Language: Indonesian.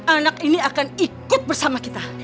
anak ini akan ikut bersama kita